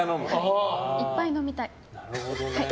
いっぱい飲みたい。